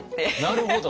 なるほど。